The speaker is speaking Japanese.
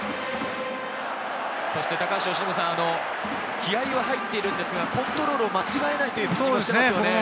気合いが入っているんですが、コントロールも間違えない、いいピッチングをしていますね。